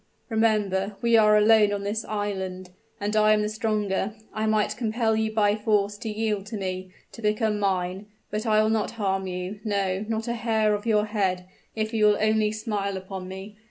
Remember we are alone on this island and I am the stronger; I might compel you by force to yield to me to become mine; but I will not harm you no, not a hair of your head, if you will only smile upon me!